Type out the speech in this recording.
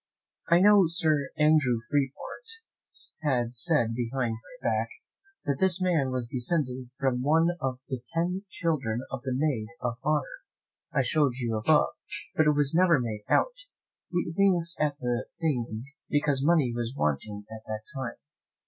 I know Sir Andrew Freeport had said behind my back, that this man was descended from one of the ten children of the maid of honour I shewed you above; but it was never made out. We winked at the thing indeed, because money was wanting at that time."